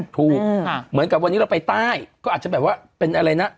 ถูกเหมือนกับวันนี้เราไปใต้ก็อาจจะแบบว่าเป็นอะไรนะ